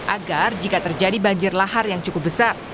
agar jika terjadi banjir lahar yang cukup besar